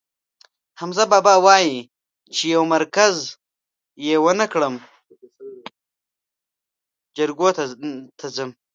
حمزه بابا وایي: چې یو مرگز یې ونه کړم، جرګو ته ځم.